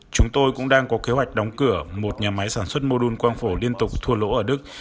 chúng tôi cũng đang có kế hoạch đóng cửa một nhà máy sản xuất mô đun quang phổ liên tục thua lỗ ở đức